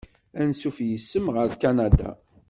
Ansuf yis-m ar Kanada!